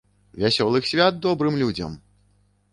Вясёлых свят добрым людзям!